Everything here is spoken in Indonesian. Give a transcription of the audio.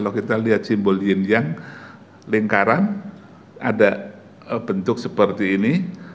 ada simbol yin yang lingkaran ada bentuk seperti ini